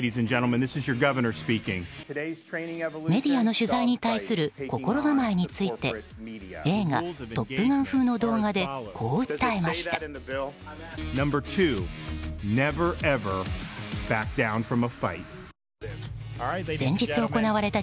メディアの取材に対する心構えについて映画「トップガン」風の動画でこう訴えました。